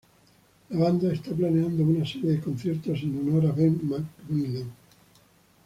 La banda está planeando una serie de conciertos en honor a Ben McMillan.